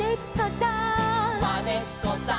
「まねっこさん」